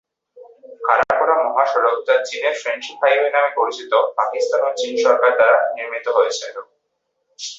কারাকোরাম মহাসড়ক যা চীনের ফ্রেন্ডশিপ হাইওয়ে নামে পরিচিত, পাকিস্তান ও চীন সরকার দ্বারা নির্মিত হয়েছিল।